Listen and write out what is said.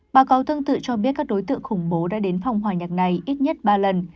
báo cáo tương tự cho biết các đối tượng khủng bố đã đến phòng hòa nhạc này ít nhất ba lần